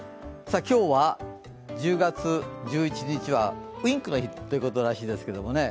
今日は１０月１１日はウインクの日らしいですけどね。